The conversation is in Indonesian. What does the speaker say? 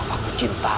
amat aku cinta